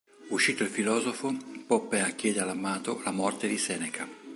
Uscito il filosofo, Poppea chiede all'amato la morte di Seneca.